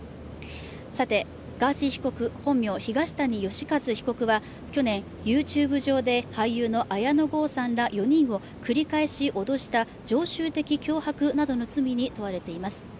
さて、ガーシー被告、本名・東谷義和被告は去年、ＹｏｕＴｕｂｅ上で俳優の綾野剛さんら４人を繰り返し脅した常習的脅迫などの罪に問われています。